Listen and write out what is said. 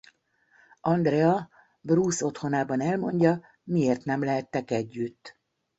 Andrea Bruce otthonában elmondja miért nem lehettek együtt.